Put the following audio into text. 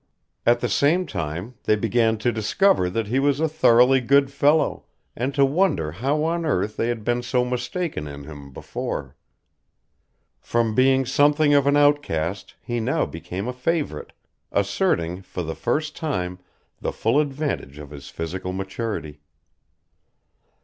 At the same time they began to discover that he was a thoroughly good fellow and to wonder how on earth they had been so mistaken in him before. From being something of an outcast he now became a favourite, asserting, for the first time, the full advantage of his physical maturity.